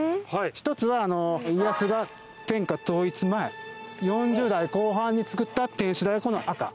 一つは家康が天下統一前４０代後半に造った天守台この赤。